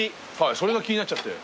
それが気になっちゃって。